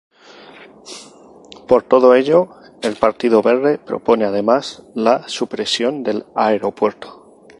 Por todo ello, el partido Verde propone además la supresión del aeropuerto.